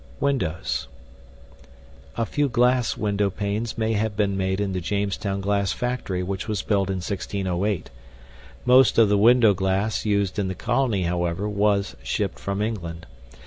WINDOWS A few glass window panes may have been made in the Jamestown glass factory which was built in 1608. Most of the window glass used in the colony, however, was shipped from England.